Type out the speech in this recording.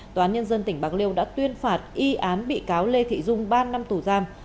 tòa án nhân dân tỉnh bạc liêu đã tuyên phạt y án bị cáo lê thị dung ba năm tù giam